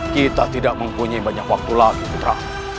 kita tidak mempunyai banyak waktu lagi putra